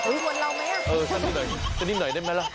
ถึงวนเราไหมอ่ะนี่หน่อยได้ไหมล่ะ